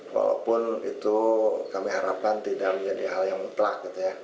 walaupun itu kami harapkan tidak menjadi hal yang mutlak gitu ya